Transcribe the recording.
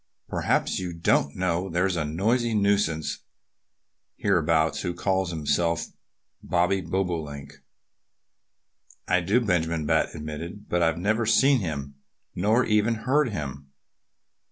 "Perhaps you don't know there's a noisy nuisance hereabouts who calls himself Bobby Bobolink?" "I do," Benjamin Bat admitted. "But I've never seen him nor even heard him."